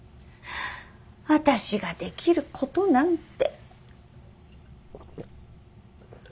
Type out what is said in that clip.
私ができることなんて。